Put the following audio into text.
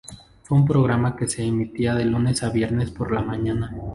Fue un programa que se emitía de lunes a viernes por la mañana.